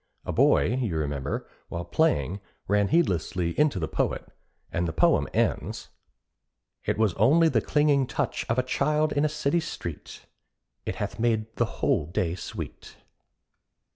A boy, you remember, while playing, ran heedlessly into the poet, and the poem ends, It was only the clinging touch Of a child in a city street; It hath made the whole day sweet.